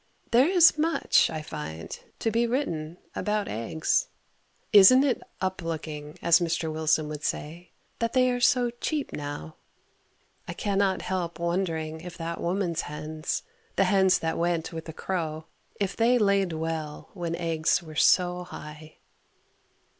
There is much, I find, to be written about eggs. Isn't it "up looking," as Mr. Wilson would say, that they are so cheap now? I cannot help wondering if that woman's hens the hens that went with the crow if they laid well when eggs were so high.